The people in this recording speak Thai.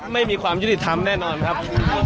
ไม่มีความยุติธรรมแน่นอนครับ